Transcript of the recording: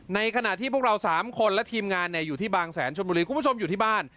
ในขณะที่พวกเรา๓คนและทีมงานอยู่ที่บางแสนชนบุรีคุณผู้ชมอยู่ที่บ้าน